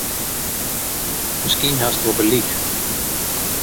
Miskien hast wol gelyk.